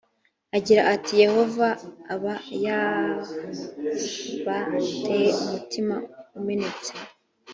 agira ati yehova aba ha y aba te umutima umenetse